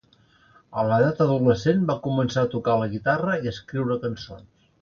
A l’edat adolescent va començar a tocar la guitarra i a escriure cançons.